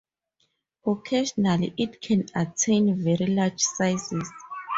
Occasionally it can attain very large sizes.